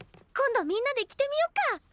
今度みんなで着てみよっか！